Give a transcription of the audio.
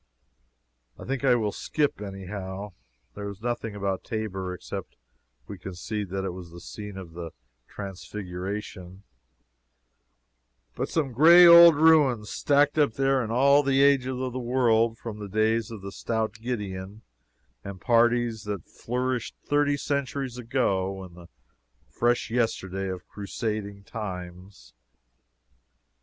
I think I will skip, any how. There is nothing about Tabor (except we concede that it was the scene of the Transfiguration,) but some gray old ruins, stacked up there in all ages of the world from the days of stout Gideon and parties that flourished thirty centuries ago to the fresh yesterday of Crusading times.